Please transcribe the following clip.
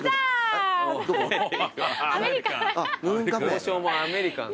交渉もアメリカン。